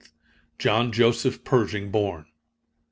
John Joseph Pershing born.